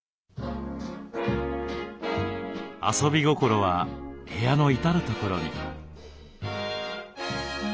遊び心は部屋の至るところに。